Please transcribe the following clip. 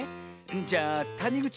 じゃあたにぐち